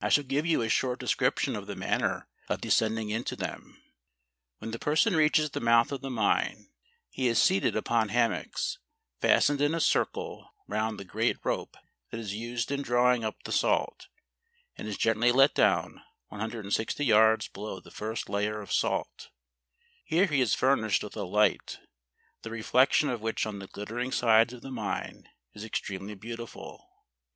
I shall give you a short description 70 GERMANY. of the manner of descending into them. When the person reaches the mouth of tiie mine, he is seated upon hammocks, fastened in a circle round the great rope that is used in drawing up the salt, and is gently let down 160 yards below the first layer of salt; here he is furnished with a light, the reflection of which on the glittering sides of the mine is extremely beautiful.